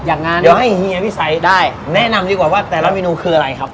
อย่างนั้นเดี๋ยวให้เฮียพี่สัยได้แนะนำดีกว่าว่าแต่ละเมนูคืออะไรครับ